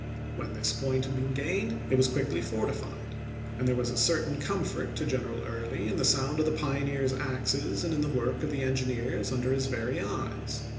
When this point had been gained, it was quickly fortified, and there was a certain comfort to General Early in the sound of the pioneers' axes and in the work of the engineers under his very eyes.